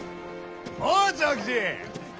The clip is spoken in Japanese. おう長吉！